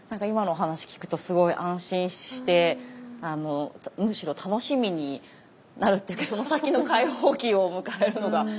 今のお話聞くとすごい安心してむしろ楽しみになるっていうかその先の解放期を迎えるのが。